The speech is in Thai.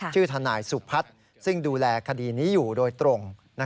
ชื่อทนายสุพัฒน์ซึ่งดูแลคดีนี้อยู่โดยตรง